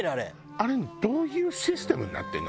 あれどういうシステムになってんの？